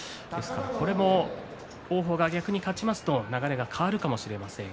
これも王鵬が勝ちますと流れが変わるかもしれません。